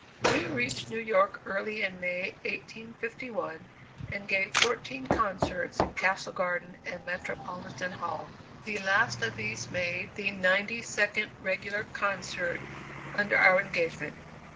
We reached New York early in May, 1851, and gave fourteen concerts in Castle Garden and Metropolitan Hall. The last of these made the ninety second regular concert under our engagement.